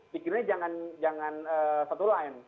bikinnya jangan satu line